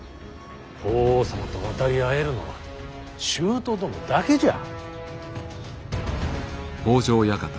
法皇様と渡り合えるのは舅殿だけじゃ。